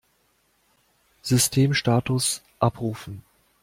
Systemstatus abrufen!